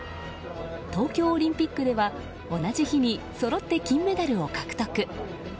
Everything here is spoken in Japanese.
東京オリンピックでは同じ日にそろって金メダルを獲得。